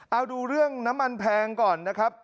เอาดูเรื่องน้ำมันแพงก่อนนะครับ